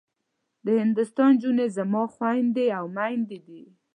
د هندوستان نجونې زما خوندي او مندي دي.